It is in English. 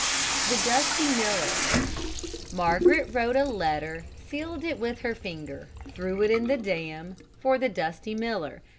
THE DUSTY MILLER Margaret wrote a letter, Sealed it with her finger, Threw it in the dam For the dusty miller.